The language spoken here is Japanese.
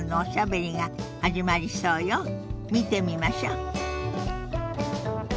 見てみましょ。